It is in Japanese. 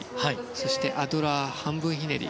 そして、アドラー半分ひねり。